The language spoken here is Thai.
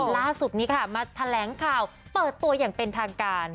ล่าสุดนี้ค่ะมาแถลงข่าวเปิดตัวอย่างเป็นทางการ